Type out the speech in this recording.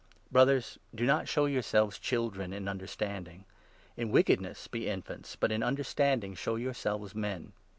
' Brothers, do not show yourselves children in understanding. 20 In wickedness be infants, but in understanding show your selves men.